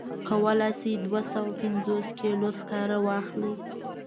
کولای شي دوه سوه پنځوس کیلو سکاره واخلي.